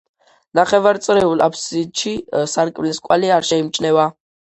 ნახევარწრიულ აფსიდში სარკმლის კვალი არ შეიმჩნევა.